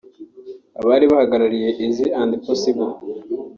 Abari bahagarariye Easy and Possible